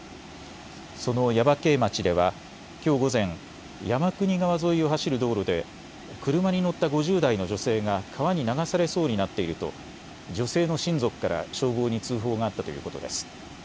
その耶馬溪町ではきょう午前山国川沿いを走る道路で車に乗った５０代の女性が川に流されそうになっていると女性の親族から消防に通報があったということです。